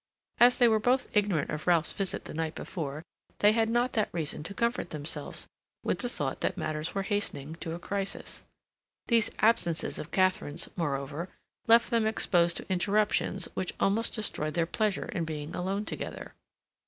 As they were both ignorant of Ralph's visit the night before they had not that reason to comfort themselves with the thought that matters were hastening to a crisis. These absences of Katharine's, moreover, left them exposed to interruptions which almost destroyed their pleasure in being alone together.